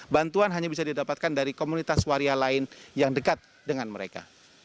bantuan hanya bisa didapatkan dari komunitas waria lain yang dekat dengan mereka